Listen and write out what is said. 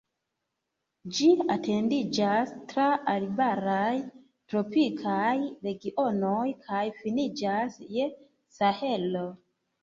Ĝi etendiĝas tra arbaraj, tropikaj, regionoj kaj finiĝas je Sahelo.